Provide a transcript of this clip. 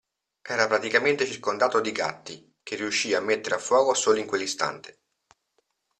Era praticamente circondato di gatti, che riuscì a mettere a fuoco solo in quell'istante.